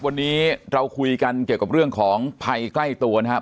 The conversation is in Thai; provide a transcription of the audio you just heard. วันนี้เราคุยกันเกี่ยวกับเรื่องของภัยใกล้ตัวนะครับ